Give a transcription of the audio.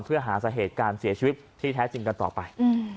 เพื่อหาสาเหตุการเสียชีวิตที่แท้จริงกันต่อไป